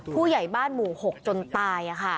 ผู้ใหญ่บ้านหมู่๖จนตาย